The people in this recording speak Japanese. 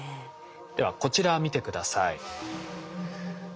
ではこちら見て下さい。